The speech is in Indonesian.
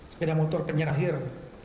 sepeda motor penyerahir